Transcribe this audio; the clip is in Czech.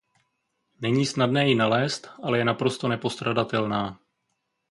Není snadné ji nalézt, ale je naprosto nepostradatelná.